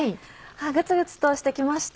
グツグツとして来ました。